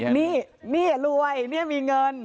หนี้หนี้อะรวยหนี้มีเงิน